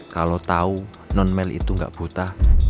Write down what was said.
kalau tau non mel itu gak buta